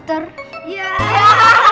jadi kalau bayar